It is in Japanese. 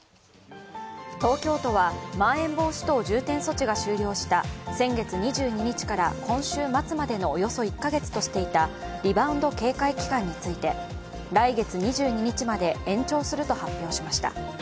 東京都はまん延防止等重点措置が終了した先月２２日から今週末までのおよそ１カ月としていたリバウンド警戒期間について来月２２日まで延長すると発表しました。